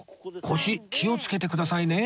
腰気をつけてくださいね